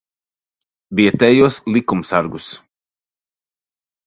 Vietējos likumsargus.